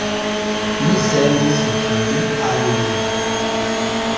Mi sendis ĝin al li